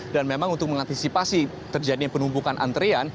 dan memang untuk mengantisipasi terjadinya penumpukan antrian